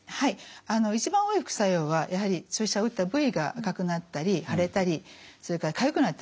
一番多い副作用はやはり注射を打った部位が赤くなったり腫れたりそれからかゆくなったりする。